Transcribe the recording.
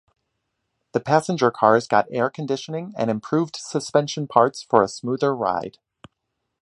The passenger cars got air conditioning and improved suspension parts for a smoother ride.